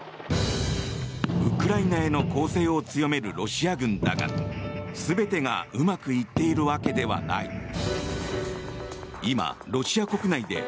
ウクライナへの攻勢を強めるロシア軍だが全てがうまくいっているわけではない。